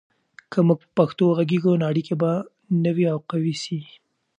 که موږ په پښتو وغږیږو، نو اړیکې به نوي او قوي سي.